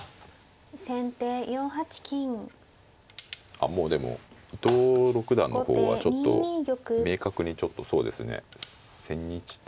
あっもうでも伊藤六段の方はちょっと明確にちょっとそうですね千日手